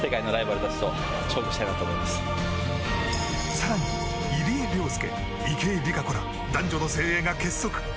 更に入江陵介、池江璃花子ら男女の精鋭が結束。